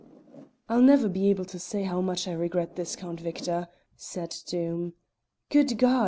"I'll never be able to say how much I regret this, Count Victor," said Doom. "Good God!